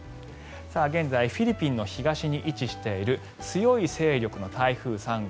現在フィリピンの東に位置している強い勢力の台風３号。